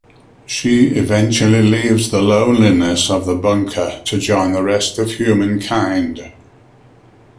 She eventually leaves the loneliness of the bunker to join the rest of humankind.